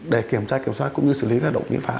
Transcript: để kiểm soát cũng như xử lý các động viện pháp